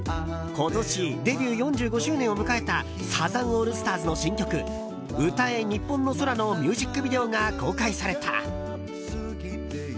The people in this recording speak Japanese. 今年デビュー４５周年を迎えたサザンオールスターズの新曲「歌えニッポンの空」のミュージックビデオが公開された。